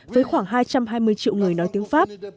với khoảng hai trăm hai mươi triệu người nói tiếng pháp